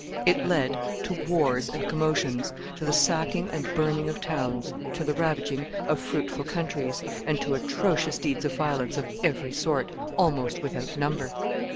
It led to wars and commotions, to the sacking and burning of towns, to the ravaging of fruitful countries, and to atrocious deeds of violence of every sort, almost without number.